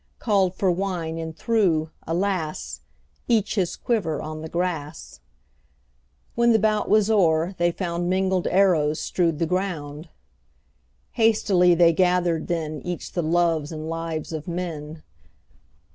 Called for wine, and threw — alas! — Each his quiver on the grass. When the bout was o'er they found Mingled arrows strewed the ground. Hastily they gathered then Each the loves and lives of men.